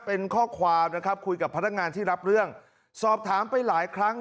เป็นข้อความนะครับคุยกับพนักงานที่รับเรื่องสอบถามไปหลายครั้ง